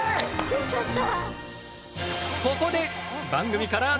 よかった。